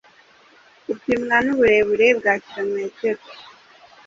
Gupimwa nuburebure bwa kilometero